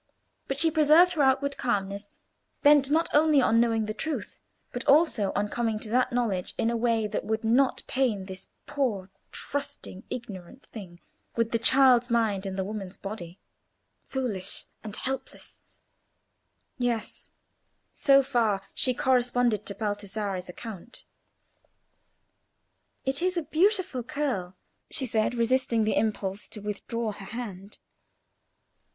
But she preserved her outward calmness, bent not only on knowing the truth, but also on coming to that knowledge in a way that would not pain this poor, trusting, ignorant thing, with the child's mind in the woman's body. "Foolish and helpless:" yes; so far she corresponded to Baldassarre's account. "It is a beautiful curl," she said, resisting the impulse to withdraw her hand.